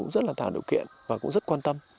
rất là tạo điều kiện và cũng rất quan tâm